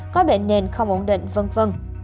có bệnh nền không ổn định v v